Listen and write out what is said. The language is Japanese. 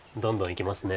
いきますね。